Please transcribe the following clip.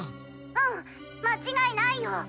うん間違いないよ！